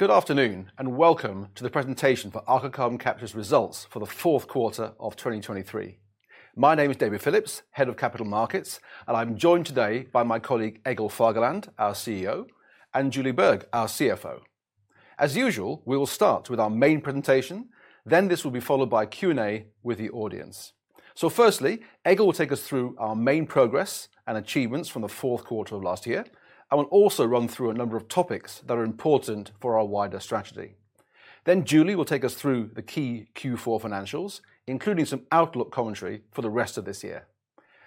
Good afternoon, and welcome to the presentation for Aker Carbon Capture's Results for the Fourth Quarter of 2023. My name is David Phillips, head of Capital Markets, and I'm joined today by my colleague, Egil Fagerland, our CEO, and Julie Berg, our CFO. As usual, we will start with our main presentation, then this will be followed by a Q&A with the audience. So firstly, Egil will take us through our main progress and achievements from the fourth quarter of last year, and we'll also run through a number of topics that are important for our wider strategy. Then Julie will take us through the key Q4 financials, including some outlook commentary for the rest of this year.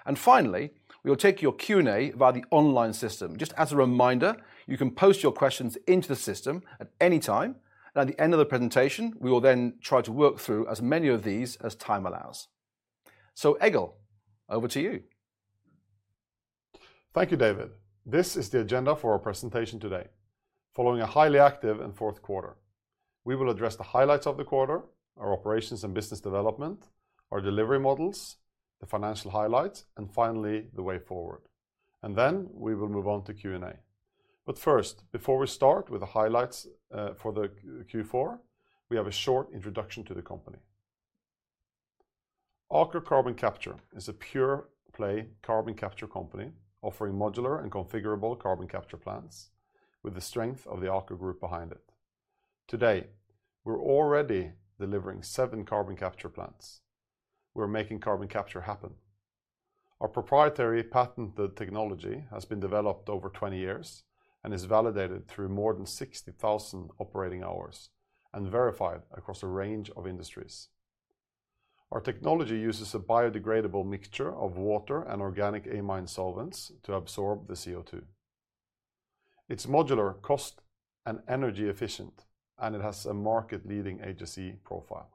And finally, we will take your Q&A via the online system. Just as a reminder, you can post your questions into the system at any time, and at the end of the presentation, we will then try to work through as many of these as time allows. Egil, over to you. Thank you, David. This is the agenda for our presentation today. Following a highly active and fourth quarter, we will address the highlights of the quarter, our operations and business development, our delivery models, the financial highlights, and finally, the way forward. Then we will move on to Q&A. But first, before we start with the highlights for the Q4, we have a short introduction to the company. Aker Carbon Capture is a pure-play carbon capture company, offering modular and configurable carbon capture plants with the strength of the Aker Group behind it. Today, we're already delivering 7 carbon capture plants. We're making carbon capture happen. Our proprietary patented technology has been developed over 20 years and is validated through more than 60,000 operating hours and verified across a range of industries. Our technology uses a biodegradable mixture of water and organic amine solvents to absorb the CO2. It's modular, cost, and energy efficient, and it has a market-leading HSE profile.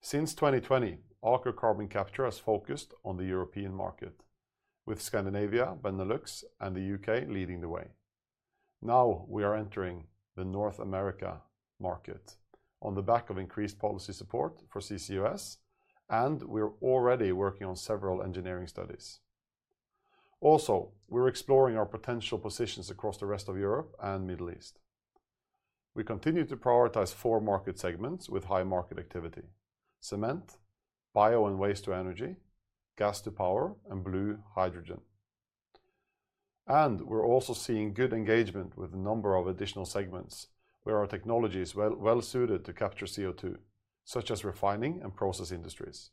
Since 2020, Aker Carbon Capture has focused on the European market, with Scandinavia, Benelux, and the U.K. leading the way. Now, we are entering the North America market on the back of increased policy support for CCUS, and we're already working on several engineering studies. Also, we're exploring our potential positions across the rest of Europe and Middle East. We continue to prioritize four market segments with high market activity: cement, bio and waste-to-energy, gas-to-power, and blue hydrogen. We're also seeing good engagement with a number of additional segments where our technology is well, well-suited to capture CO2, such as refining and process industries.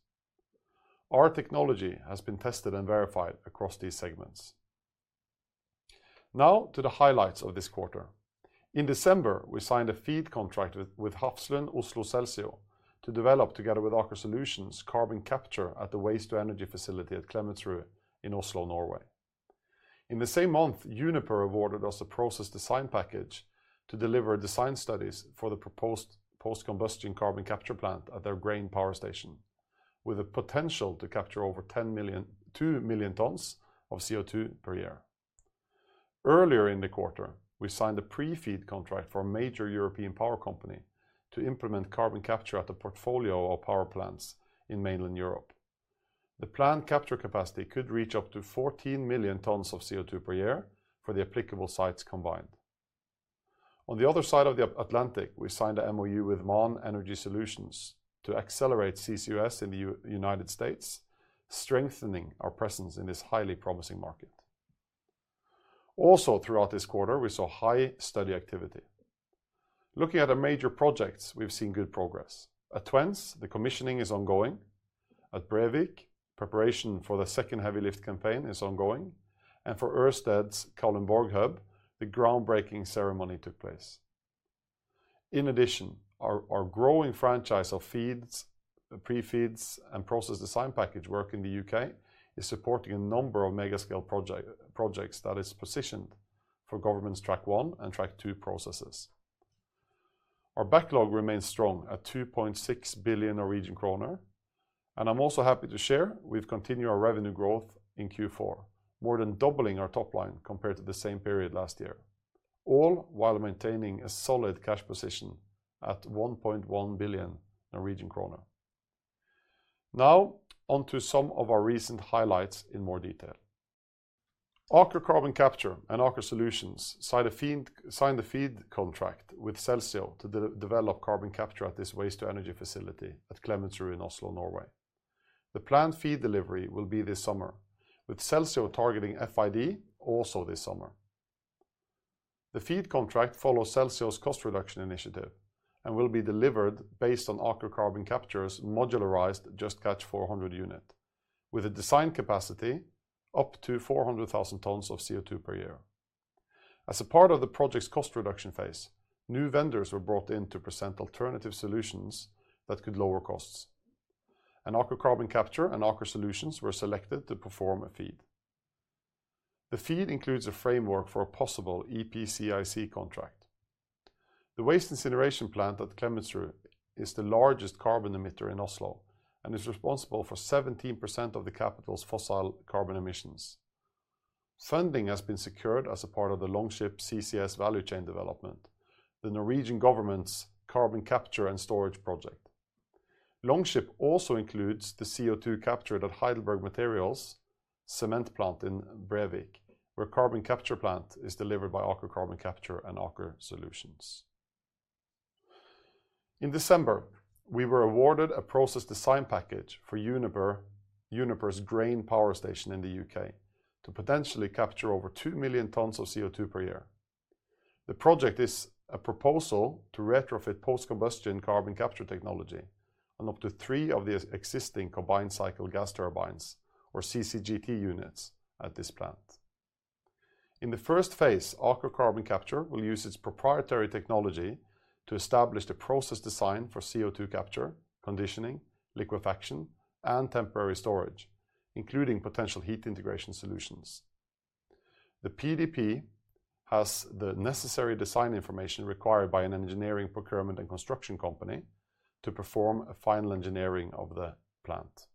Our technology has been tested and verified across these segments. Now, to the highlights of this quarter. In December, we signed a FEED contract with Hafslund Oslo Celsio to develop, together with Aker Solutions, carbon capture at the waste-to-energy facility at Klemetsrud in Oslo, Norway. In the same month, Uniper awarded us a process design package to deliver design studies for the proposed post-combustion carbon capture plant at their Grain power station, with the potential to capture over 10 million - 2 million tons of CO2 per year. Earlier in the quarter, we signed a pre-FEED contract for a major European power company to implement carbon capture at a portfolio of power plants in mainland Europe. The planned capture capacity could reach up to 14 million tons of CO2 per year for the applicable sites combined. On the other side of the Atlantic, we signed an MOU with MAN Energy Solutions to accelerate CCUS in the United States, strengthening our presence in this highly promising market. Also, throughout this quarter, we saw high study activity. Looking at the major projects, we've seen good progress. At Twence, the commissioning is ongoing, at Brevik, preparation for the second heavy lift campaign is ongoing, and for Ørsted's Kalundborg hub, the groundbreaking ceremony took place. In addition, our growing franchise of FEEDs, pre-FEEDs, and process design package work in the U.K. is supporting a number of mega-scale projects that is positioned for government's Track 1 and Track 2 processes. Our backlog remains strong at 2.6 billion Norwegian kroner, and I'm also happy to share we've continued our revenue growth in Q4, more than doubling our top line compared to the same period last year, all while maintaining a solid cash position at 1.1 billion Norwegian krone. Now, on to some of our recent highlights in more detail. Aker Carbon Capture and Aker Solutions signed a FEED, signed a FEED contract with Celsio to develop carbon capture at this waste-to-energy facility at Klemetsrud in Oslo, Norway. The planned FEED delivery will be this summer, with Celsio targeting FID also this summer. The FEED contract follows Celsio's cost reduction initiative and will be delivered based on Aker Carbon Capture's modularized Just Catch 400 unit, with a design capacity up to 400,000 tons of CO2 per year. As a part of the project's cost reduction phase, new vendors were brought in to present alternative solutions that could lower costs, and Aker Carbon Capture and Aker Solutions were selected to perform a FEED. The FEED includes a framework for a possible EPCIC contract. The waste incineration plant at Klemetsrud is the largest carbon emitter in Oslo and is responsible for 17% of the capital's fossil carbon emissions. Funding has been secured as a part of the Longship CCS value chain development, the Norwegian government's carbon capture and storage project. Longship also includes the CO2 captured at Heidelberg Materials cement plant in Brevik, where carbon capture plant is delivered by Aker Carbon Capture and Aker Solutions. In December, we were awarded a process design package for Uniper, Uniper's Grain power station in the U.K., to potentially capture over 2,000,000 tons of CO2 per year. The project is a proposal to retrofit post-combustion carbon capture technology on up to three of the existing combined-cycle gas turbines, or CCGT units, at this plant. In the first phase, Aker Carbon Capture will use its proprietary technology to establish the process design for CO2 capture, conditioning, liquefaction, and temporary storage, including potential heat integration solutions. The PDP has the necessary design information required by an engineering procurement and construction company to perform a final engineering of the plant.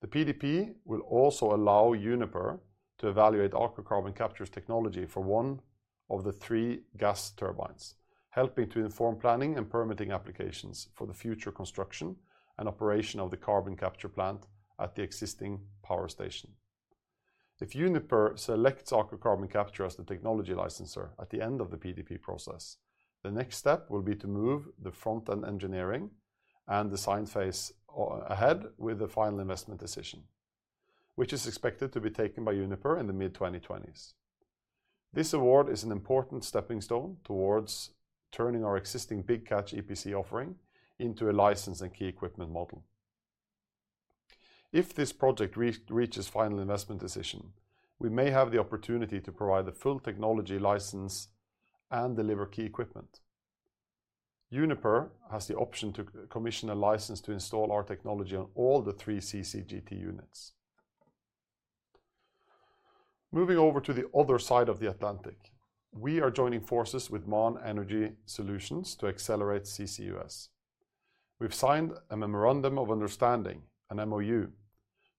The PDP will also allow Uniper to evaluate Aker Carbon Capture's technology for one of the three gas turbines, helping to inform planning and permitting applications for the future construction and operation of the carbon capture plant at the existing power station. If Uniper selects Aker Carbon Capture as the technology licenser at the end of the PDP process, the next step will be to move the front-end engineering and design phase ahead with the final investment decision, which is expected to be taken by Uniper in the mid-2020s. This award is an important stepping stone towards turning our existing Big Catch EPC offering into a license and key equipment model. If this project reaches final investment decision, we may have the opportunity to provide the full technology license and deliver key equipment. Uniper has the option to commission a license to install our technology on all the three CCGT units. Moving over to the other side of the Atlantic, we are joining forces with MAN Energy Solutions to accelerate CCUS. We've signed a memorandum of understanding, an MoU,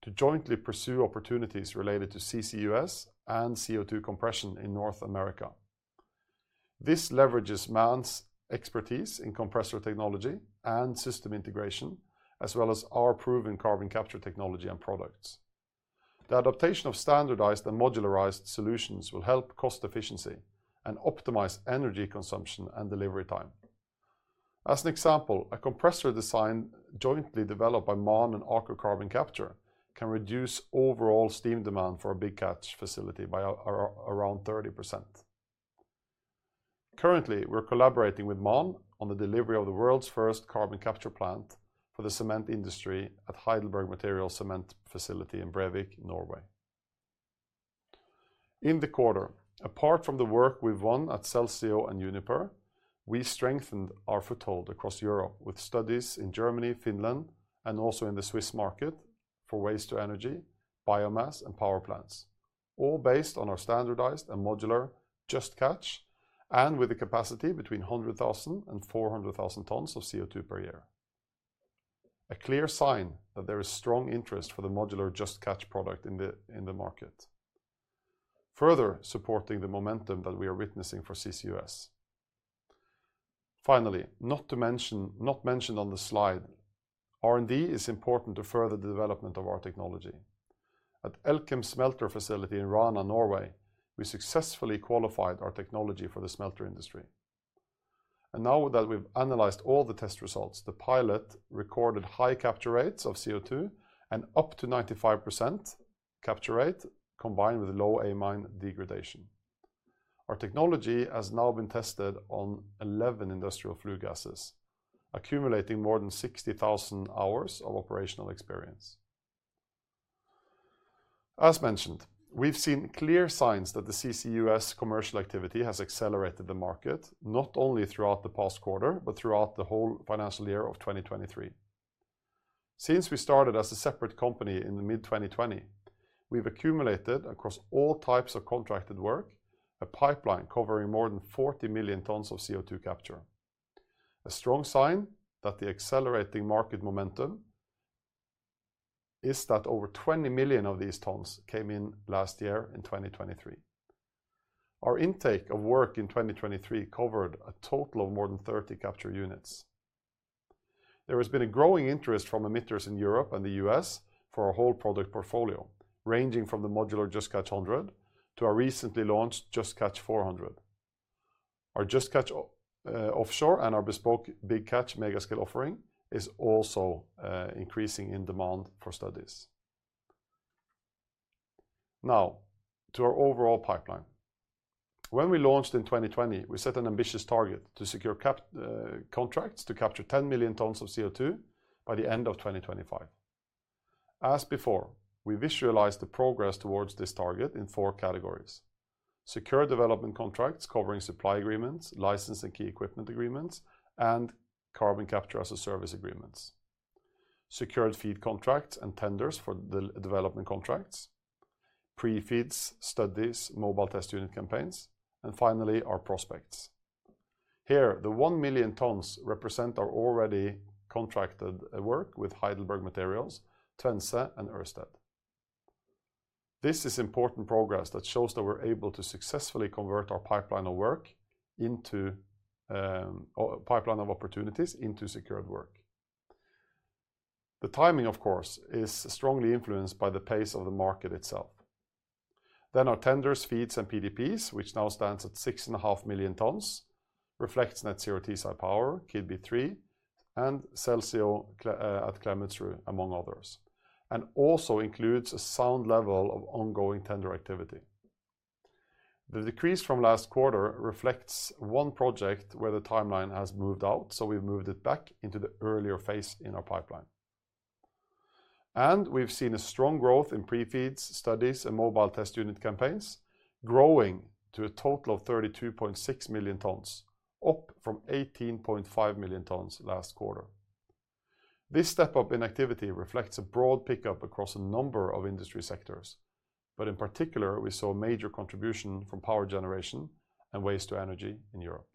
to jointly pursue opportunities related to CCUS and CO2 compression in North America. This leverages MAN's expertise in compressor technology and system integration, as well as our proven carbon capture technology and products. The adaptation of standardized and modularized solutions will help cost efficiency and optimize energy consumption and delivery time. As an example, a compressor design jointly developed by MAN and Aker Carbon Capture can reduce overall steam demand for a Big Catch facility by around 30%. Currently, we're collaborating with MAN on the delivery of the world's first carbon capture plant for the cement industry at Heidelberg Materials cement facility in Brevik, Norway. In the quarter, apart from the work we've won at Celsio and Uniper, we strengthened our foothold across Europe with studies in Germany, Finland, and also in the Swiss market for waste-to-energy, biomass, and power plants, all based on our standardized and modular Just Catch, and with the capacity between 100,000 and 400,000 tons of CO2 per year. A clear sign that there is strong interest for the modular Just Catch product in the market, further supporting the momentum that we are witnessing for CCUS. Finally, not to mention, not mentioned on the slide, R&D is important to further the development of our technology. At Elkem Smelter Facility in Rana, Norway, we successfully qualified our technology for the smelter industry. Now that we've analyzed all the test results, the pilot recorded high capture rates of CO2 and up to 95% capture rate, combined with low amine degradation. Our technology has now been tested on 11 industrial flue gases, accumulating more than 60,000 hours of operational experience. As mentioned, we've seen clear signs that the CCUS commercial activity has accelerated the market, not only throughout the past quarter, but throughout the whole financial year of 2023. Since we started as a separate company in the mid-2020, we've accumulated, across all types of contracted work, a pipeline covering more than 40 million tons of CO2 capture. A strong sign that the accelerating market momentum is that over 20 million of these tons came in last year in 2023. Our intake of work in 2023 covered a total of more than 30 capture units. There has been a growing interest from emitters in Europe and the U.S. for our whole product portfolio, ranging from the modular Just Catch 100 to our recently launched Just Catch 400. Our Just Catch Offshore and our bespoke Big Catch mega scale offering is also increasing in demand for studies. Now, to our overall pipeline. When we launched in 2020, we set an ambitious target to secure capture contracts to capture 10 million tons of CO2 by the end of 2025. As before, we visualize the progress towards this target in four categories: secure development contracts covering supply agreements, license and key equipment agreements, and Carbon Capture as a Service agreements; secured feed contracts and tenders for development contracts, pre-feeds, studies, mobile test unit campaigns, and finally, our prospects. Here, the 1 million tons represent our already contracted work with Heidelberg Materials, Twence, and Ørsted. This is important progress that shows that we're able to successfully convert our pipeline of work into our pipeline of opportunities into secured work. The timing, of course, is strongly influenced by the pace of the market itself. Our tenders, FEEDs, and PDPs, which now stands at 6.5 million tons, reflects Net Zero Teesside Power, Keadby 3, and Celsio at Klemetsrud, among others, and also includes a sound level of ongoing tender activity. The decrease from last quarter reflects one project where the timeline has moved out, so we've moved it back into the earlier phase in our pipeline. We've seen a strong growth in pre-FEEDs, studies, and mobile test unit campaigns, growing to a total of 32.6 million tons, up from 18.5 million tons last quarter. This step up in activity reflects a broad pickup across a number of industry sectors, but in particular, we saw a major contribution from power generation and Waste-to-Energy in Europe.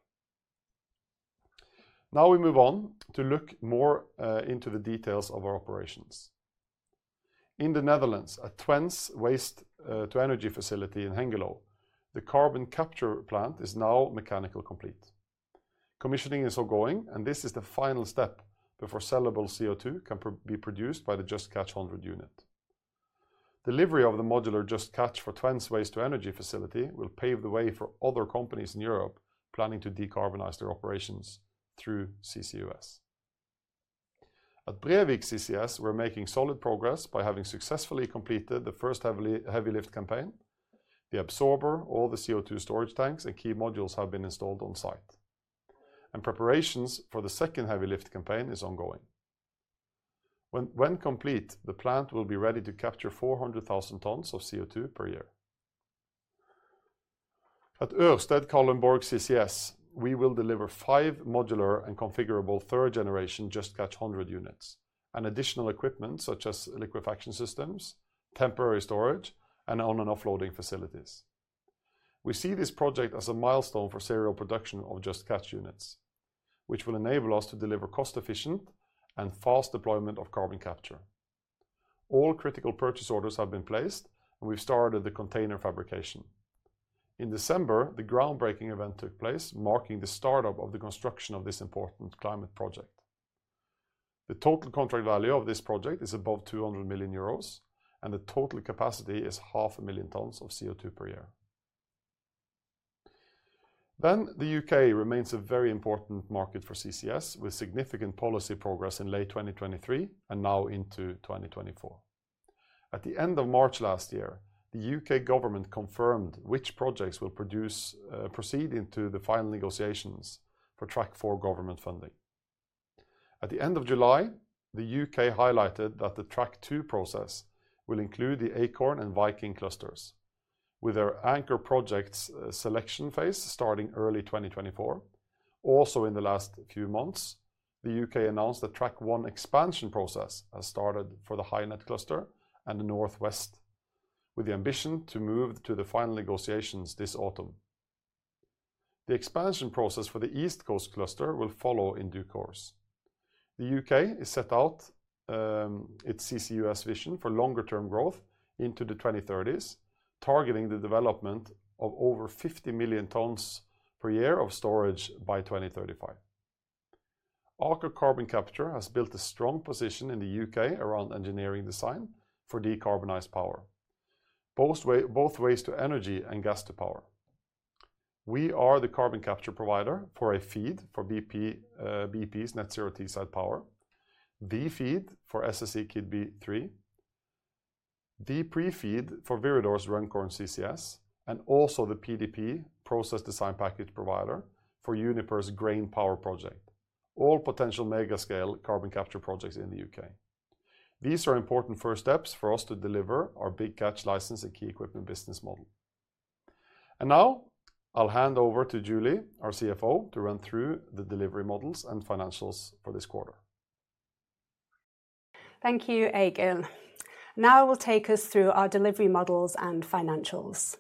Now we move on to look more into the details of our operations. In the Netherlands, at Twence's Waste-to-Energy facility in Hengelo, the carbon capture plant is now mechanically complete. Commissioning is ongoing, and this is the final step before sellable CO2 can be produced by the Just Catch 100 unit. Delivery of the modular Just Catch for Twence's Waste-to-Energy facility will pave the way for other companies in Europe planning to decarbonize their operations through CCUS. At Brevik CCS, we're making solid progress by having successfully completed the first heavy lift campaign. The absorber, all the CO2 storage tanks, and key modules have been installed on site, and preparations for the second heavy lift campaign is ongoing. When complete, the plant will be ready to capture 400,000 tons of CO2 per year. At Ørsted Kalundborg CCS, we will deliver 5 modular and configurable third-generation Just Catch 100 units and additional equipment such as liquefaction systems, temporary storage, and on- and off-loading facilities. We see this project as a milestone for serial production of Just Catch units, which will enable us to deliver cost-efficient and fast deployment of carbon capture. All critical purchase orders have been placed, and we've started the container fabrication. In December, the groundbreaking event took place, marking the start-up of the construction of this important climate project. The total contract value of this project is above 200 million euros, and the total capacity is 500,000 tons of CO2 per year. The U.K. remains a very important market for CCS, with significant policy progress in late 2023 and now into 2024. At the end of March last year, the U.K. government confirmed which projects will proceed into the final negotiations for Track Four government funding. At the end of July, the U.K. highlighted that the Track 2 process will include the Acorn and Viking clusters, with their anchor projects selection phase starting early 2024. Also, in the last few months, the U.K. announced the Track 1 expansion process has started for the HyNet cluster and the Northwest, with the ambition to move to the final negotiations this autumn. The expansion process for the East Coast Cluster will follow in due course. The U.K. has set out its CCUS vision for longer-term growth into the 2030s, targeting the development of over 50 million tons per year of storage by 2035. Aker Carbon Capture has built a strong position in the U.K. around engineering design for decarbonized power, both waste-to-energy and gas-to-power. We are the carbon capture provider for a FEED for BP's Net Zero Teesside Power, the FEED for SSE Keadby 3, the pre-FEED for Viridor's Runcorn CCS, and also the PDP, Process Design Package provider, for Uniper's Grain power project, all potential mega-scale carbon capture projects in the U.K. These are important first steps for us to deliver our Big Catch license and key equipment business model. And now, I'll hand over to Julie, our CFO, to run through the delivery models and financials for this quarter. Thank you, Egil. Now I will take us through our delivery models and financials.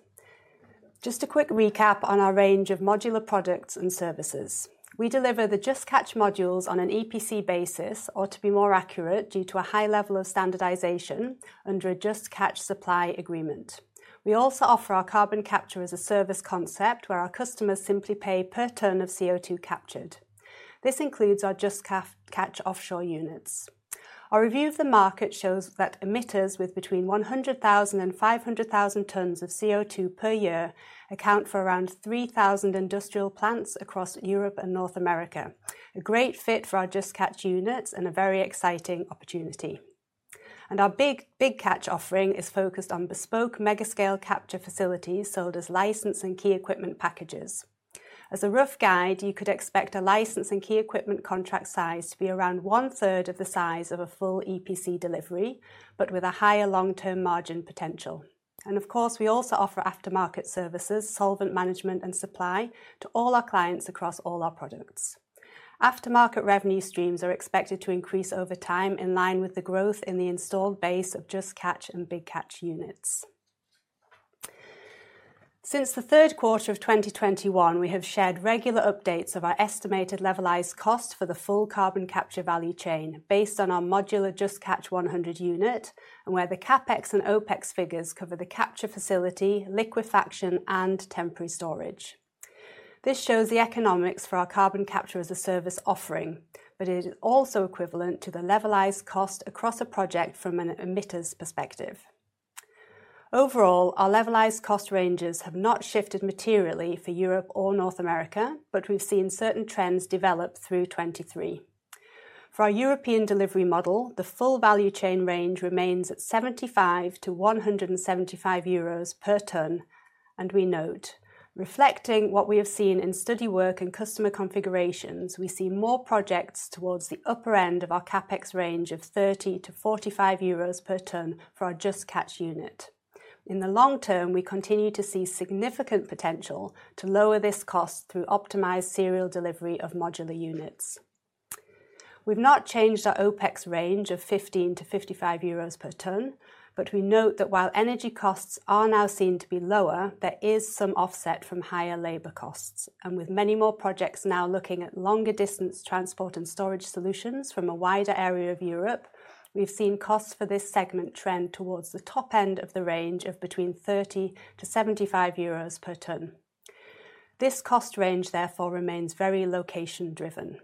Just a quick recap on our range of modular products and services. We deliver the Just Catch modules on an EPC basis, or to be more accurate, due to a high level of standardization under a Just Catch supply agreement. We also offer our Carbon Capture as a Service concept, where our customers simply pay per ton of CO2 captured. This includes our Just Catch Offshore units. Our review of the market shows that emitters with between 100,000 and 500,000 tons of CO2 per year account for around 3,000 industrial plants across Europe and North America, a great fit for our Just Catch units and a very exciting opportunity. Our Big Catch offering is focused on bespoke mega-scale capture facilities sold as license and key equipment packages. As a rough guide, you could expect a license and key equipment contract size to be around one-third of the size of a full EPC delivery, but with a higher long-term margin potential. Of course, we also offer aftermarket services, solvent management, and supply to all our clients across all our products. Aftermarket revenue streams are expected to increase over time, in line with the growth in the installed base of Just Catch and Big Catch units... Since the third quarter of 2021, we have shared regular updates of our estimated levelized cost for the full carbon capture value chain, based on our modular Just Catch 100 unit, and where the CapEx and OpEx figures cover the capture facility, liquefaction, and temporary storage. This shows the economics for our Carbon Capture as a Service offering, but it is also equivalent to the levelized cost across a project from an emitter's perspective. Overall, our levelized cost ranges have not shifted materially for Europe or North America, but we've seen certain trends develop through 2023. For our European delivery model, the full value chain range remains at 75-175 euros per ton, and we note, reflecting what we have seen in study work and customer configurations, we see more projects towards the upper end of our CapEx range of 30-45 euros per ton for our Just Catch unit. In the long term, we continue to see significant potential to lower this cost through optimized serial delivery of modular units. We've not changed our OpEx range of 15-55 euros per ton, but we note that while energy costs are now seen to be lower, there is some offset from higher labor costs. With many more projects now looking at longer distance transport and storage solutions from a wider area of Europe, we've seen costs for this segment trend towards the top end of the range of between 30-75 euros per ton. This cost range, therefore, remains very location-driven.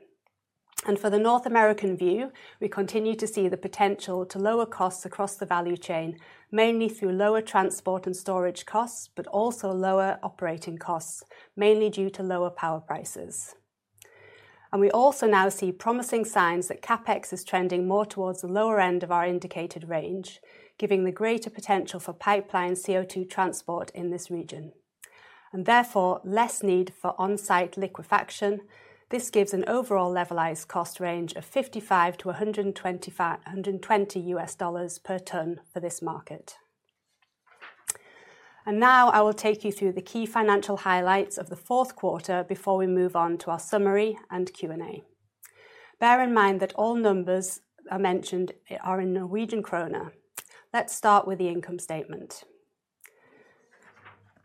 For the North American view, we continue to see the potential to lower costs across the value chain, mainly through lower transport and storage costs, but also lower operating costs, mainly due to lower power prices. We also now see promising signs that CapEx is trending more towards the lower end of our indicated range, giving the greater potential for pipeline CO2 transport in this region and therefore less need for on-site liquefaction. This gives an overall levelized cost range of $55-$120 per ton for this market. Now I will take you through the key financial highlights of the fourth quarter before we move on to our summary and Q&A. Bear in mind that all numbers are mentioned, are in Norwegian kroner. Let's start with the income statement.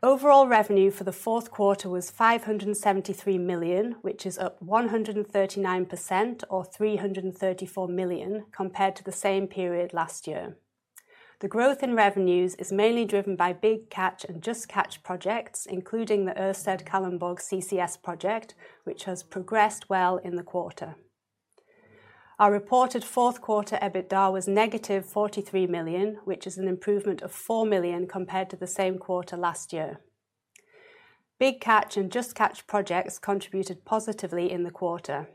Overall revenue for the fourth quarter was 573 million, which is up 139% or 334 million, compared to the same period last year. The growth in revenues is mainly driven by Big Catch and Just Catch projects, including the Ørsted Kalundborg CCS project, which has progressed well in the quarter. Our reported fourth quarter EBITDA was negative 43 million, which is an improvement of 4 million compared to the same quarter last year. Big Catch and Just Catch projects contributed positively in the quarter.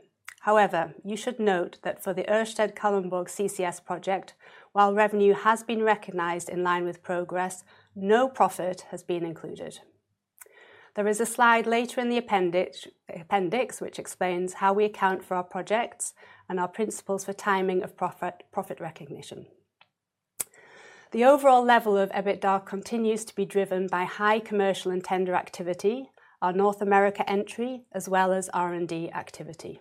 However, you should note that for the Ørsted Kalundborg CCS project, while revenue has been recognized in line with progress, no profit has been included. There is a slide later in the appendix, which explains how we account for our projects and our principles for timing of profit recognition. The overall level of EBITDA continues to be driven by high commercial and tender activity, our North America entry, as well as R&D activity.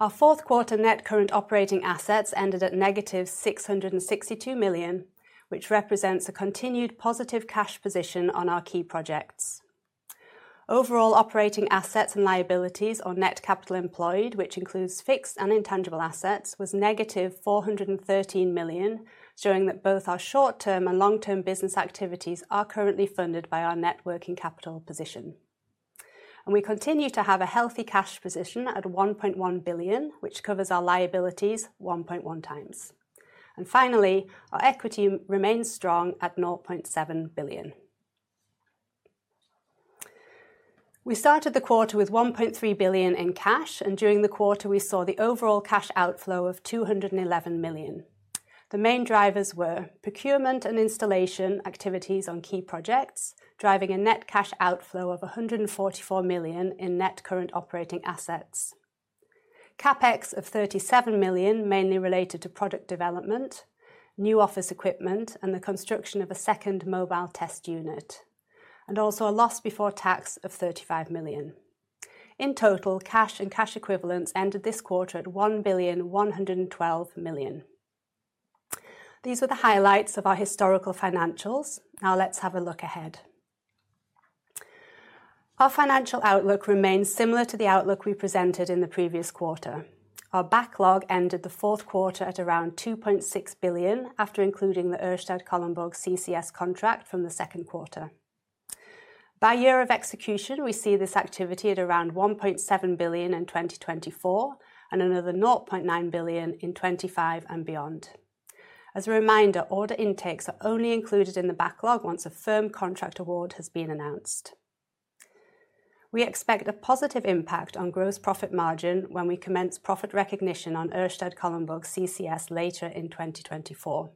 Our fourth quarter net current operating assets ended at negative 662 million, which represents a continued positive cash position on our key projects. Overall operating assets and liabilities or net capital employed, which includes fixed and intangible assets, was negative 413 million, showing that both our short-term and long-term business activities are currently funded by our net working capital position. We continue to have a healthy cash position at 1.1 billion, which covers our liabilities 1.1 times. Finally, our equity remains strong at 0.7 billion. We started the quarter with 1.3 billion in cash, and during the quarter, we saw the overall cash outflow of 211 million. The main drivers were procurement and installation activities on key projects, driving a net cash outflow of 144 million in net current operating assets. CapEx of 37 million, mainly related to product development, new office equipment, and the construction of a second mobile test unit, and also a loss before tax of 35 million. In total, cash and cash equivalents ended this quarter at 1,112 million. These were the highlights of our historical financials. Now, let's have a look ahead. Our financial outlook remains similar to the outlook we presented in the previous quarter. Our backlog ended the fourth quarter at around 2.6 billion, after including the Ørsted Kalundborg CCS contract from the second quarter. By year of execution, we see this activity at around 1.7 billion in 2024 and another 0.9 billion in 2025 and beyond. As a reminder, order intakes are only included in the backlog once a firm contract award has been announced. We expect a positive impact on gross profit margin when we commence profit recognition on Ørsted Kalundborg CCS later in 2024,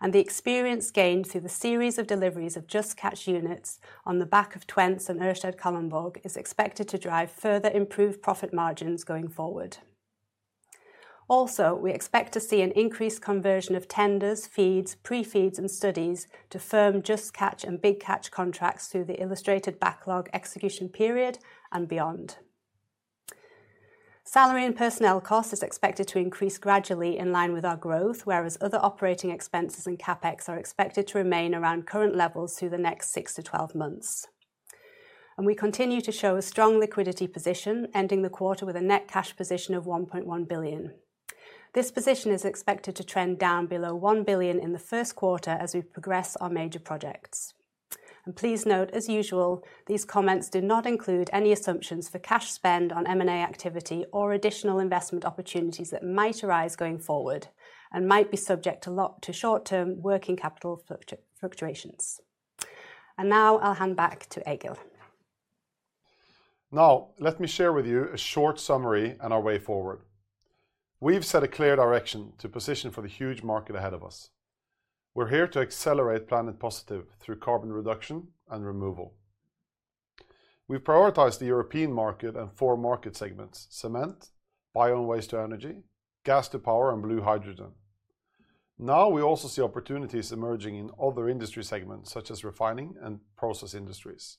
and the experience gained through the series of deliveries of Just Catch units on the back of Twence and Ørsted Kalundborg is expected to drive further improved profit margins going forward. Also, we expect to see an increased conversion of tenders, FEEDs, pre-FEEDs, and studies to firm Just Catch and Big Catch contracts through the illustrated backlog execution period and beyond. Salary and personnel cost is expected to increase gradually in line with our growth, whereas other operating expenses and CapEx are expected to remain around current levels through the next 6-12 months. We continue to show a strong liquidity position, ending the quarter with a net cash position of 1.1 billion. This position is expected to trend down below 1 billion in the first quarter as we progress our major projects. Please note, as usual, these comments do not include any assumptions for cash spend on M&A activity or additional investment opportunities that might arise going forward and might be subject to short-term working capital fluctuations. Now I'll hand back to Egil. Now, let me share with you a short summary on our way forward. We've set a clear direction to position for the huge market ahead of us. We're here to accelerate planet positive through carbon reduction and removal. We've prioritized the European market and four market segments: cement, bio and waste-to-energy, gas-to-power, and blue hydrogen. Now, we also see opportunities emerging in other industry segments, such as refining and process industries.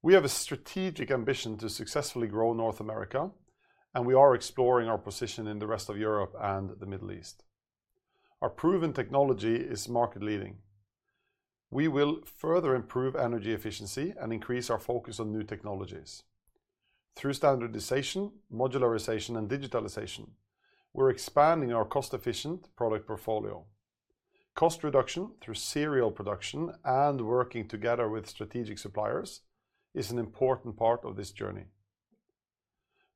We have a strategic ambition to successfully grow North America, and we are exploring our position in the rest of Europe and the Middle East. Our proven technology is market-leading. We will further improve energy efficiency and increase our focus on new technologies. Through standardization, modularization, and digitalization, we're expanding our cost-efficient product portfolio. Cost reduction through serial production and working together with strategic suppliers is an important part of this journey.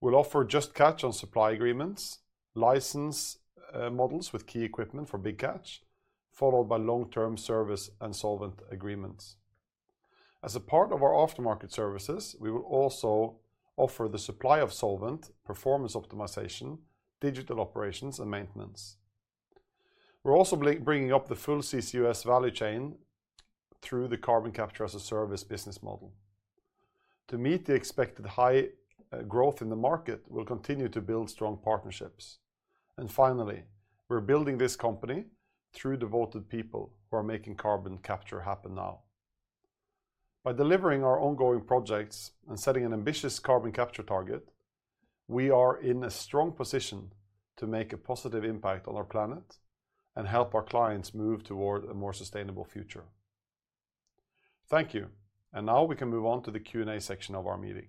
We'll offer Just Catch on supply agreements, license models with key equipment for Big Catch, followed by long-term service and solvent agreements. As a part of our aftermarket services, we will also offer the supply of solvent, performance optimization, digital operations, and maintenance. We're also bringing up the full CCUS value chain through the Carbon Capture as a Service business model. To meet the expected high growth in the market, we'll continue to build strong partnerships. And finally, we're building this company through devoted people who are making carbon capture happen now. By delivering our ongoing projects and setting an ambitious carbon capture target, we are in a strong position to make a positive impact on our planet and help our clients move toward a more sustainable future. Thank you. And now we can move on to the Q&A section of our meeting.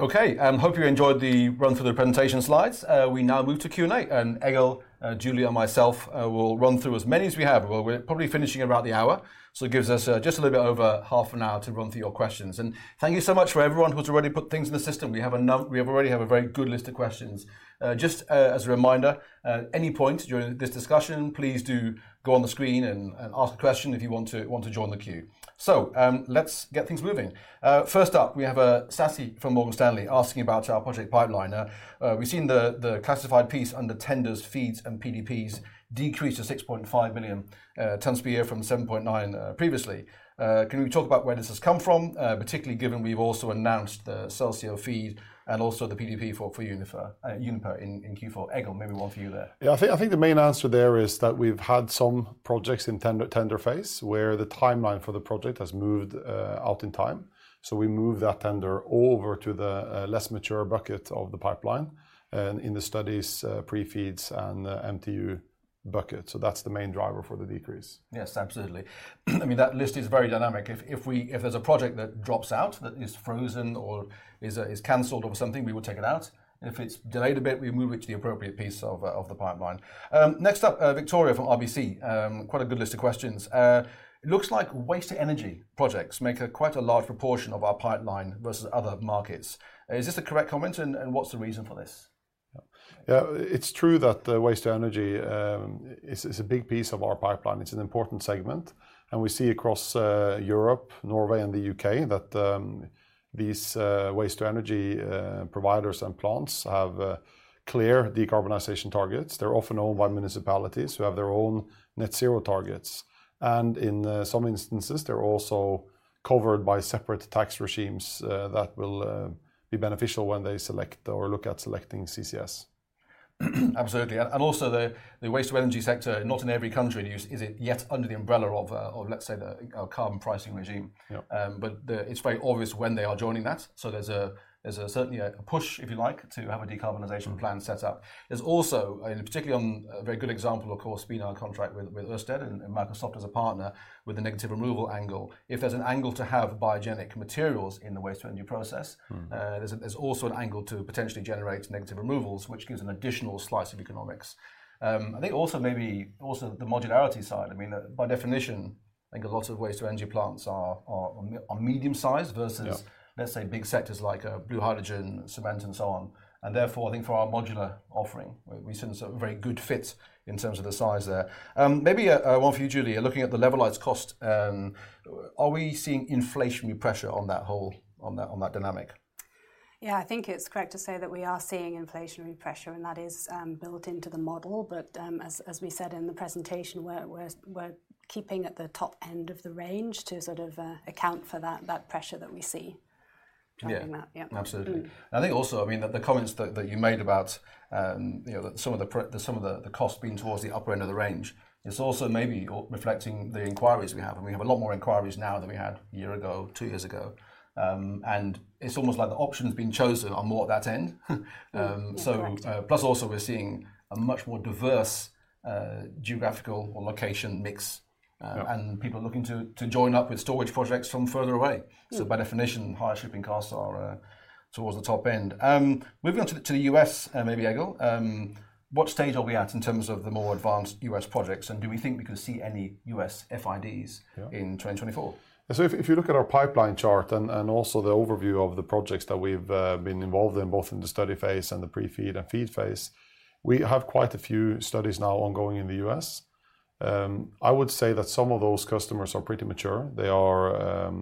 Okay, hope you enjoyed the run-through of the presentation slides. We now move to Q&A, and Egil, Julie, and myself will run through as many as we have. Well, we're probably finishing about the hour, so it gives us just a little bit over half an hour to run through your questions. Thank you so much for everyone who has already put things in the system. We already have a very good list of questions. Just as a reminder, at any point during this discussion, please do go on the screen and ask a question if you want to join the queue. So, let's get things moving. First up, we have Sasi from Morgan Stanley asking about our project pipeline. We've seen the classified piece under tenders, FEEDs, and PDPs decrease to 6.5 million tons per year from 7.9 previously. Can we talk about where this has come from, particularly given we've also announced the Celsio FEED and also the PDP for Uniper in Q4? Egil, maybe one for you there. Yeah, I think, I think the main answer there is that we've had some projects in tender, tender phase, where the timeline for the project has moved out in time. So we moved that tender over to the less mature bucket of the pipeline and in the studies, pre-FEEDs and MTU bucket. So that's the main driver for the decrease. Yes, absolutely. I mean, that list is very dynamic. If there's a project that drops out, that is frozen or is canceled or something, we will take it out, and if it's delayed a bit, we move it to the appropriate piece of the pipeline. Next up, Victoria from RBC. Quite a good list of questions. It looks like waste-to-energy projects make a quite a large proportion of our pipeline versus other markets. Is this a correct comment, and what's the reason for this? Yeah, it's true that the waste-to-energy is a big piece of our pipeline. It's an important segment, and we see across Europe, Norway, and the U.K., that these waste-to-energy providers and plants have clear decarbonization targets. They're often owned by municipalities who have their own Net Zero targets, and in some instances, they're also covered by separate tax regimes that will be beneficial when they select or look at selecting CCS. Absolutely. And also the Waste-to-Energy sector, not in every country, is it yet under the umbrella of, of let's say, the carbon pricing regime. But the... It's very obvious when they are joining that. So there's certainly a push, if you like, to have a decarbonization plan set up. There's also, and particularly on a very good example, of course, being our contract with, with Ørsted and, and Microsoft as a partner with a negative removal angle. If there's an angle to have biogenic materials in the waste-to-energy process there's also an angle to potentially generate negative removals, which gives an additional slice of economics. I think also maybe also the modularity side, I mean, by definition, I think a lot of waste-to-energy plants are medium-sized versus let's say, big sectors like Blue Hydrogen, cement, and so on, and therefore, I think for our modular offering, we see this a very good fit in terms of the size there. Maybe one for you, Julie. Looking at the Levelized Cost, are we seeing inflationary pressure on that whole dynamic? Yeah, I think it's correct to say that we are seeing inflationary pressure, and that is built into the model. But, as we said in the presentation, we're keeping at the top end of the range to sort of account for that pressure that we see. Yeah, absolutely. I think also, I mean, the comments that you made about, you know, that some of the costs being towards the upper end of the range, it's also maybe reflecting the inquiries we have, and we have a lot more inquiries now than we had a year ago, two years ago. And it's almost like the option has been chosen are more at that end. So, plus also we're seeing a much more diverse, geographical or location mix and people looking to join up with storage projects from further away. So by definition, higher shipping costs are towards the top end. Moving on to the U.S., maybe Egil. What stage are we at in terms of the more advanced U.S. projects, and do we think we could see any U.S. FIDs in 2024? So if, if you look at our pipeline chart and, and also the overview of the projects that we've, been involved in, both in the study phase and the pre-FEED and FEED phase, we have quite a few studies now ongoing in the U.S. I would say that some of those customers are pretty mature. They are,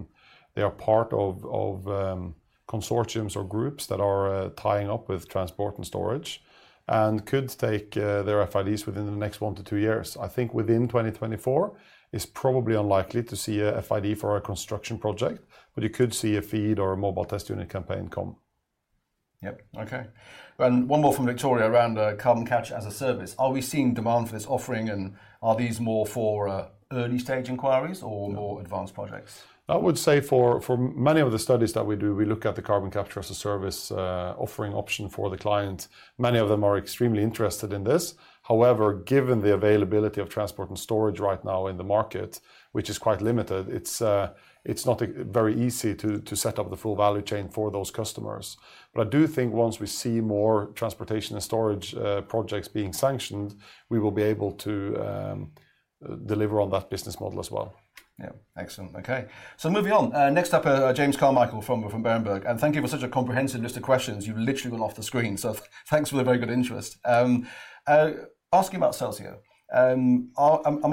they are part of, of, consortiums or groups that are, tying up with transport and storage, and could take, their FIDs within the next 1-2 years. I think within 2024, it's probably unlikely to see a FID for a construction project, but you could see a FEED or a mobile test unit campaign come. Yep, okay. And one more from Victoria around Carbon Capture as a Service. Are we seeing demand for this offering, and are these more for early-stage inquiries or more advanced projects? I would say for many of the studies that we do, we look at the Carbon Capture as a Service offering option for the client. Many of them are extremely interested in this. However, given the availability of transport and storage right now in the market, which is quite limited, it's not very easy to set up the full value chain for those customers. But I do think once we see more transportation and storage projects being sanctioned, we will be able to deliver on that business model as well. Yeah. Excellent. Okay, so moving on. Next up, James Carmichael from Berenberg, and thank you for such a comprehensive list of questions. You've literally gone off the screen, so thanks for the very good interest. Asking about Celsio, am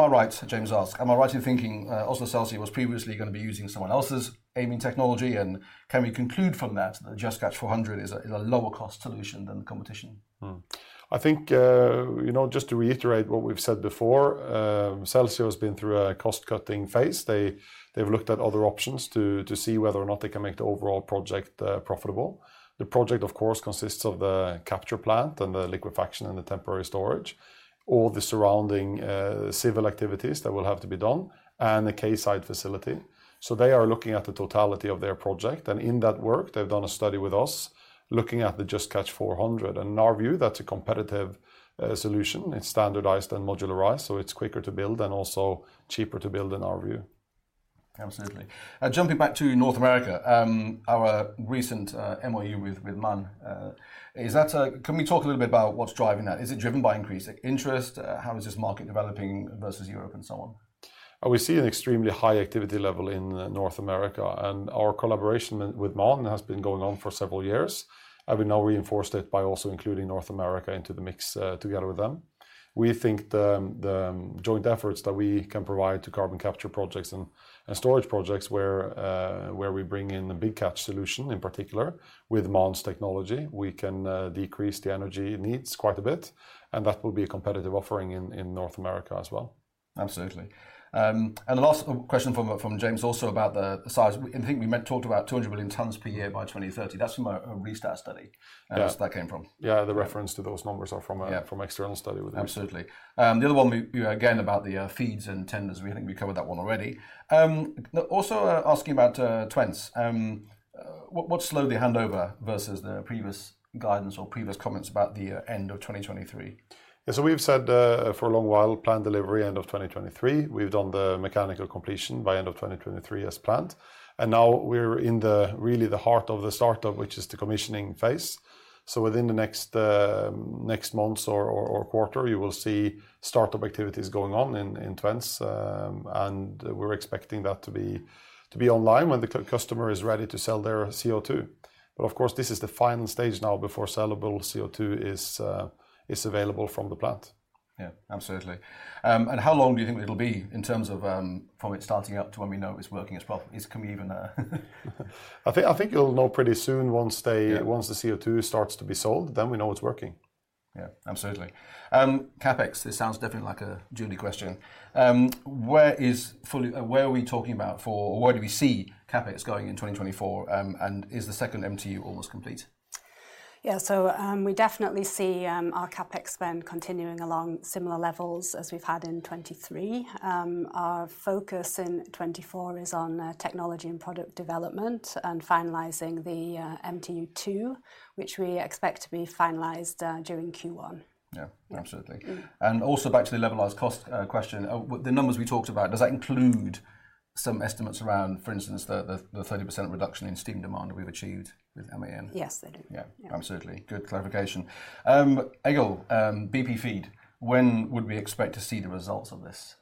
I right, James asks, am I right in thinking, Oslo Celsio was previously gonna be using someone else's amine technology, and can we conclude from that, that Just Catch 400 is a lower cost solution than the competition? I think, you know, just to reiterate what we've said before, Celsio has been through a cost-cutting phase. They, they've looked at other options to, to see whether or not they can make the overall project profitable. The project, of course, consists of the capture plant and the liquefaction and the temporary storage, all the surrounding civil activities that will have to be done, and the CO2-side facility. So they are looking at the totality of their project, and in that work, they've done a study with us, looking at the Just Catch 400, and in our view, that's a competitive solution. It's standardized and modularized, so it's quicker to build and also cheaper to build in our view. Absolutely. Jumping back to North America, our recent MOU with MAN, is that a... Can we talk a little bit about what's driving that? Is it driven by increasing interest? How is this market developing versus Europe and so on? We see an extremely high activity level in North America, and our collaboration with MAN has been going on for several years, and we now reinforced it by also including North America into the mix, together with them. We think the joint efforts that we can provide to carbon capture projects and storage projects where we bring in the Big Catch solution, in particular with MAN's technology, we can decrease the energy needs quite a bit, and that will be a competitive offering in North America as well. Absolutely. And the last question from James also about the size. I think we talked about 200 billion tons per year by 2030. That's from a Rystad study as that came from. Yeah, the reference to those numbers are from a, from external study with them. Absolutely. The other one we again about the FEEDS and tenders, we think we covered that one already. But also asking about Twence. What's slowed the handover versus the previous guidance or previous comments about the end of 2023? Yeah, so we've said for a long while, planned delivery, end of 2023. We've done the mechanical completion by end of 2023 as planned, and now we're in really the heart of the startup, which is the commissioning phase. So within the next months or quarter, you will see startup activities going on in Twence, and we're expecting that to be online when the customer is ready to sell their CO2. But of course, this is the final stage now before sellable CO2 is available from the plant. Yeah, absolutely. And how long do you think it'll be in terms of from it starting up to when we know it's working as well? I think, I think you'll know pretty soon once they once the CO2 starts to be sold, then we know it's working. Yeah, absolutely. CapEx, this sounds definitely like a Julie question. Where do we see CapEx going in 2024, and is the second MTU almost complete? Yeah, so, we definitely see our CapEx spend continuing along similar levels as we've had in 2023. Our focus in 2024 is on technology and product development and finalizing the MTU-2, which we expect to be finalized during Q1. Yeah, absolutely. Also back to the levelized cost question. With the numbers we talked about, does that include some estimates around, for instance, the 30% reduction in steam demand we've achieved with amine? Yes, they do. Yeah. Absolutely. Good clarification. Egil, BP FEED, when would we expect to see the results of this?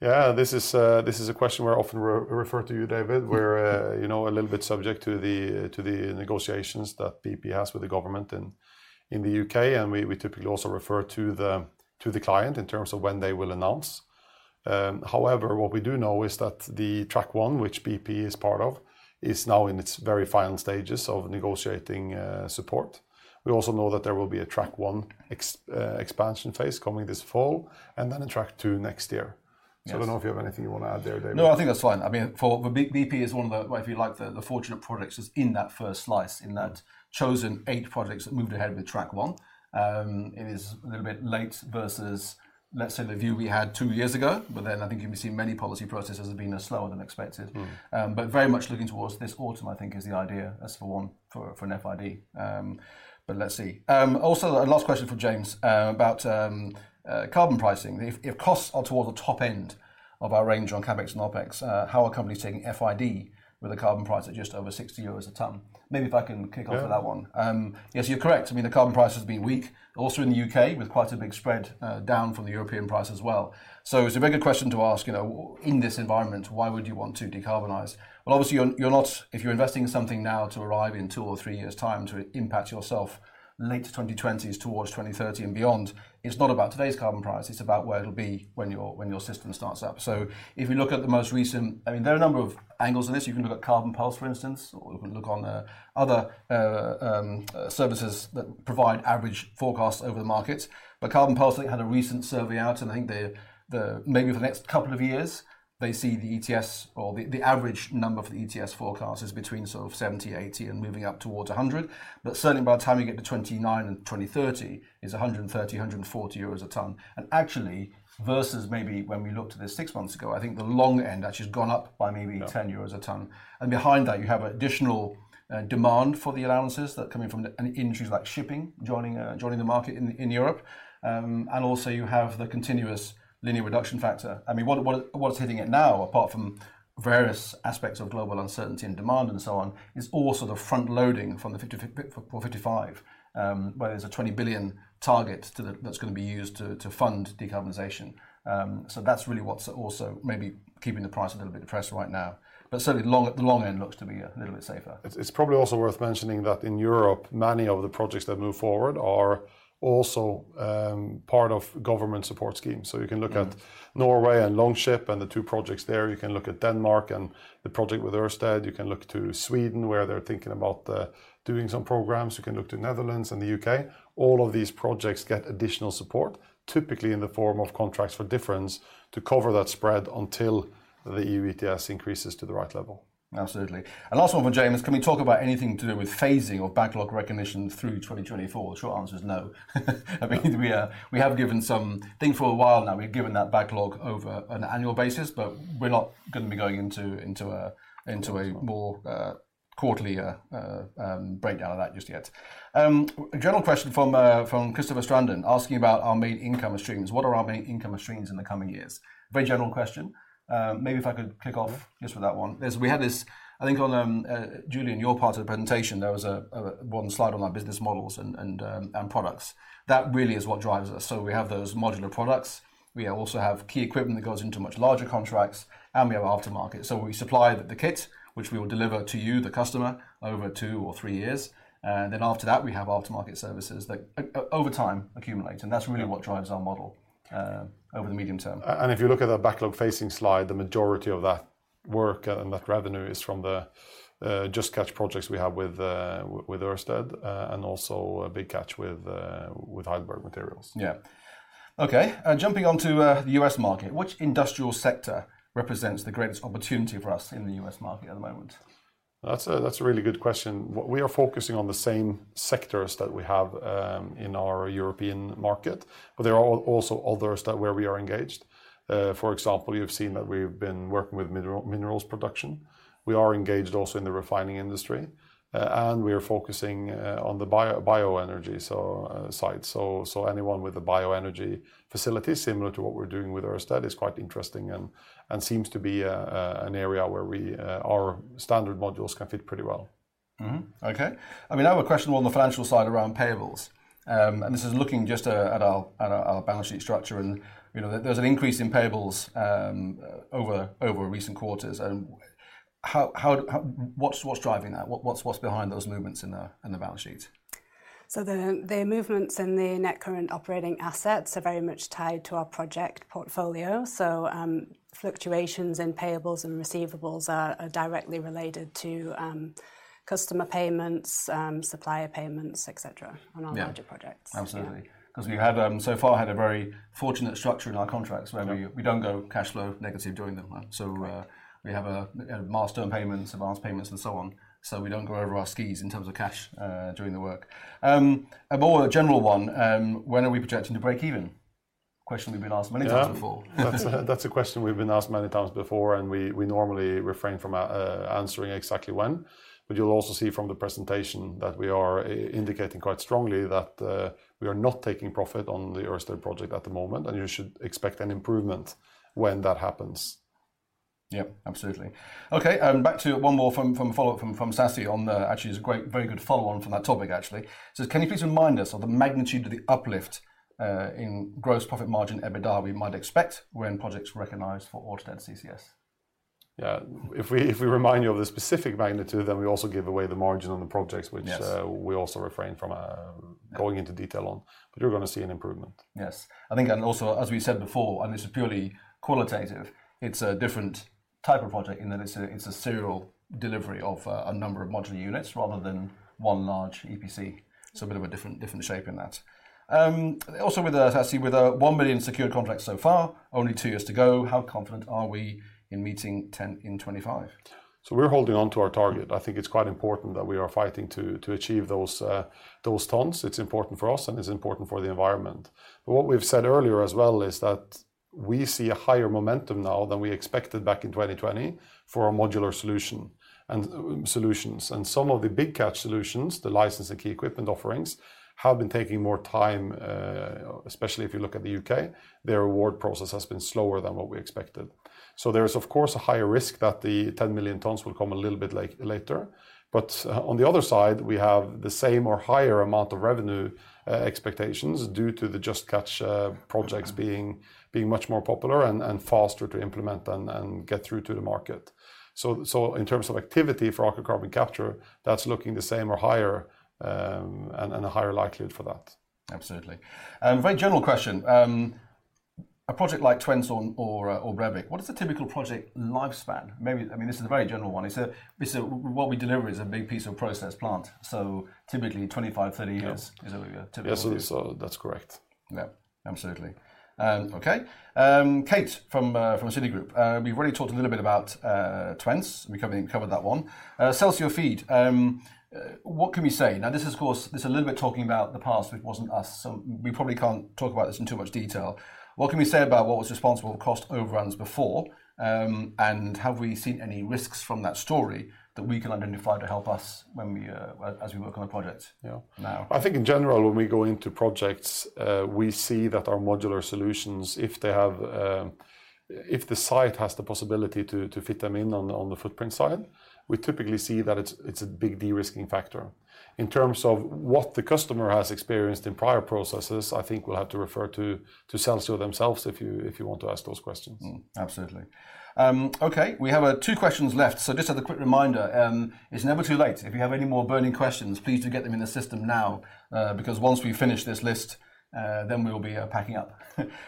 Yeah, this is a question we're often referred to you, David. We're, you know, a little bit subject to the negotiations that BP has with the government in the U.K., and we typically also refer to the client in terms of when they will announce. However, what we do know is that the Track 1, which BP is part of, is now in its very final stages of negotiating support. We also know that there will be a Track 1 expansion phase coming this fall, and then a Track 2 next year. So I don't know if you have anything you want to add there, David? No, I think that's fine. I mean, but BP is one of the, if you like, the fortunate projects that's in that first slice, in that chosen eight projects that moved ahead with Track 1. It is a little bit late versus, let's say, the view we had two years ago, but then I think you can see many policy processes have been slower than expected. But very much looking towards this autumn, I think, is the idea as for one, for an FID. But let's see. Also a last question from James, about carbon pricing. If costs are toward the top end of our range on CapEx and OpEx, how are companies taking FID with a carbon price at just over 60 euros a ton? Maybe if I can kick off with that one. Yes, you're correct. I mean, the carbon price has been weak, also in the U.K., with quite a big spread down from the European price as well. So it's a very good question to ask, you know, in this environment, why would you want to decarbonize? Well, obviously, you're, you're not... If you're investing in something now to arrive in 2 or 3 years' time to impact yourself late 2020s towards 2030 and beyond, it's not about today's carbon price, it's about where it'll be when your, when your system starts up. So if you look at the most recent... I mean, there are a number of angles to this. You can look at Carbon Pulse, for instance, or you can look on other services that provide average forecasts over the market. But Carbon Pulse, I think, had a recent survey out, and I think the maybe for the next couple of years, they see the ETS or the average number for the ETS forecast is between sort of 70-80, and moving up towards 100. But certainly by the time you get to 2029 and 2030, it's 130-140 euros a ton. And actually, versus maybe when we looked at this six months ago, I think the long end actually has gone up by maybe 10 euros a ton. And behind that, you have additional demand for the allowances that are coming from industries like shipping, joining the market in Europe. And also you have the continuous Linear Reduction Factor. I mean, what's hitting it now, apart from various aspects of global uncertainty and demand and so on, is all sort of front-loading from the Fit for 55, where there's a 20 billion target to the, that's gonna be used to fund decarbonization. So that's really what's also maybe keeping the price a little bit depressed right now. But certainly, the long end looks to be a little bit safer. It's probably also worth mentioning that in Europe, many of the projects that move forward are also part of government support schemes. So you can look at Norway and Longship and the two projects there. You can look at Denmark and the project with Ørsted. You can look to Sweden, where they're thinking about doing some programs. You can look to Netherlands and the U.K. All of these projects get additional support, typically in the form of contracts for difference, to cover that spread until the EU ETS increases to the right level. Absolutely. And last one from James: "Can we talk about anything to do with phasing or backlog recognition through 2024?" The short answer is no. I think we have given some... I think for a while now, we've given that backlog over an annual basis, but we're not gonna be going into a more quarterly breakdown of that just yet. A general question from Christoffer Strøm, asking about our main income streams. "What are our main income streams in the coming years?" Very general question. Maybe if I could kick off just for that one. There's, we had this, I think on, Julian, your part of the presentation, there was one slide on our business models and products. That really is what drives us. So we have those modular products, we also have key equipment that goes into much larger contracts, and we have aftermarket. So we supply the kit, which we will deliver to you, the customer, over two or three years, and then after that, we have aftermarket services that over time accumulate. That's really what drives our model over the medium term. And if you look at the backlog facing slide, the majority of that work and that revenue is from the Just Catch projects we have with Ørsted, and also a Big Catch with Heidelberg Materials. Yeah. Okay, and jumping onto the U.S. market, which industrial sector represents the greatest opportunity for us in the U.S. market at the moment? That's a really good question. We are focusing on the same sectors that we have in our European market, but there are also others where we are engaged. For example, you've seen that we've been working with minerals production. We are engaged also in the refining industry, and we are focusing on the bioenergy side. So anyone with a bioenergy facility similar to what we're doing with Ørsted is quite interesting and seems to be an area where our standard modules can fit pretty well. Okay. I mean, I have a question on the financial side around payables. And this is looking just at our balance sheet structure, and, you know, there's an increase in payables over recent quarters. And how... What's driving that? What's behind those movements in the balance sheet? The movements in the net current operating assets are very much tied to our project portfolio. So, fluctuations in payables and receivables are directly related to customer payments, supplier payments, et cetera on our larger projects. Absolutely. 'Cause we have, so far had a very fortunate structure in our contracts where we don't go cash flow negative during them. So, we have, you know, milestone payments, advanced payments, and so on, so we don't go over our skis in terms of cash, during the work. A more general one: "When are we projecting to break even?" Question we've been asked many times before. Yeah. That's a question we've been asked many times before, and we normally refrain from answering exactly when. But you'll also see from the presentation that we are indicating quite strongly that we are not taking profit on the Ørsted project at the moment, and you should expect an improvement when that happens. Yep, absolutely. Okay, and back to one more from a follow-up from Sasi on the... Actually, it's a great, very good follow-on from that topic, actually. It says, "Can you please remind us of the magnitude of the uplift in gross profit margin, EBITDA, we might expect when projects are recognized for Ørsted CCS? Yeah, if we, if we remind you of the specific magnitude, then we also give away the margin on the projects, which we also refrain from going into detail on. But you're gonna see an improvement. Yes. I think, and also, as we said before, and this is purely qualitative, it's a different type of project in that it's a serial delivery of a number of modular units rather than one large EPC. So a bit of a different shape in that. Also with a 1 billion secured contract so far, only two years to go, how confident are we in meeting 10 in 2025? So we're holding on to our target. I think it's quite important that we are fighting to achieve those tons. It's important for us, and it's important for the environment. But what we've said earlier as well is that we see a higher momentum now than we expected back in 2020 for a modular solution and solutions. And some of the Big Catch solutions, the license and key equipment offerings, have been taking more time, especially if you look at the U.K. Their award process has been slower than what we expected. So there is, of course, a higher risk that the 10 million tons will come a little bit like later, but on the other side, we have the same or higher amount of revenue expectations due to the Just Catch projects being much more popular and faster to implement and get through to the market. So in terms of activity for Aker Carbon Capture, that's looking the same or higher, and a higher likelihood for that. Absolutely. Very general question. A project like Twence or Brevik, what is the typical project lifespan? Maybe, I mean, this is a very general one. It's a- what we deliver is a big piece of process plant, so typically 25-30 years is a typical. Yes, so that's correct. Yeah, absolutely. Okay. Kate from Citigroup, we've already talked a little bit about Twence. We covered, covered that one. Celsio FEED, what can we say? Now, this is, of course, this is a little bit talking about the past, it wasn't us, so we probably can't talk about this in too much detail. What can we say about what was responsible for cost overruns before? And have we seen any risks from that story that we can identify to help us when we, as we work on the project now? I think in general, when we go into projects, we see that our modular solutions, if the site has the possibility to fit them in on the footprint side, we typically see that it's a big de-risking factor. In terms of what the customer has experienced in prior processes, I think we'll have to refer to Celsio themselves if you want to ask those questions. Absolutely. Okay, we have two questions left, so just as a quick reminder, it's never too late. If you have any more burning questions, please do get them in the system now, because once we finish this list, then we'll be packing up.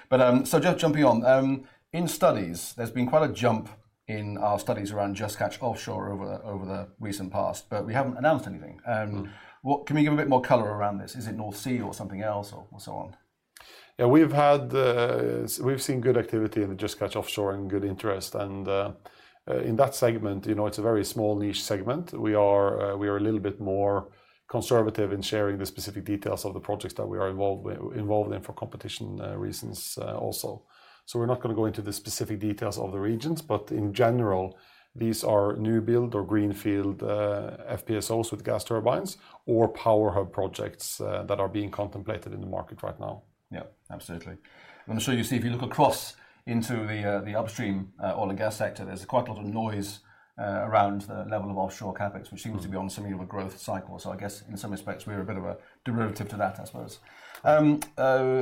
But so just jumping on, in studies, there's been quite a jump in our studies around Just Catch Offshore over the recent past, but we haven't announced anything. What, can you give a bit more color around this? Is it North Sea or something else, or so on? Yeah, we've had, we've seen good activity in the Just Catch Offshore and good interest, and, in that segment, you know, it's a very small niche segment. We are a little bit more conservative in sharing the specific details of the projects that we are involved in for competition reasons, also. So we're not gonna go into the specific details of the regions, but in general, these are new build or greenfield FPSOs with gas turbines or power hub projects that are being contemplated in the market right now. Yeah, absolutely. I'm gonna show you, so if you look across into the, the upstream, oil and gas sector, there's quite a lot of noise, around the level of offshore CapEx which seems to be on similar growth cycle. So I guess in some respects, we are a bit of a derivative to that, I suppose.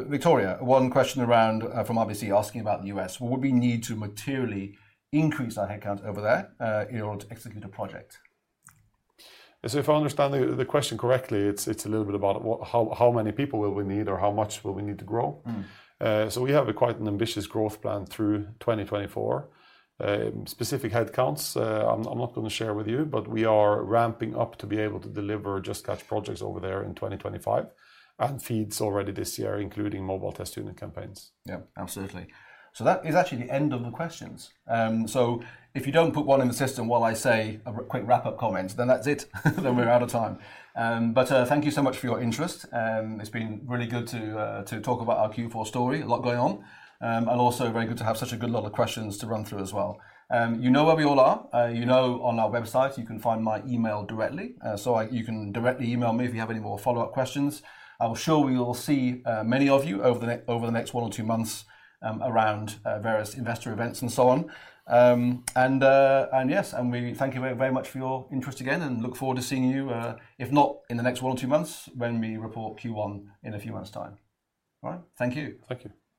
Victoria, one question around from RBC asking about the U.S. What would we need to materially increase our headcount over there in order to execute a project? So if I understand the question correctly, it's a little bit about what, how many people will we need or how much will we need to grow? So we have a quite an ambitious growth plan through 2024. Specific headcounts, I'm not gonna share with you, but we are ramping up to be able to deliver Just Catch projects over there in 2025, and FEEDs already this year, including Mobile Test Unit campaigns. Yeah, absolutely. So that is actually the end of the questions. So if you don't put one in the system while I say a quick wrap-up comment, then that's it. Then we're out of time. But thank you so much for your interest. It's been really good to talk about our Q4 story, a lot going on. And also very good to have such a good lot of questions to run through as well. You know where we all are. You know, on our website, you can find my email directly, so you can directly email me if you have any more follow-up questions. I'm sure we will see many of you over the next one or two months, around various investor events and so on. Yes, and we thank you very much for your interest again, and look forward to seeing you if not in the next one or two months, when we report Q1 in a few months' time. All right. Thank you. Thank you.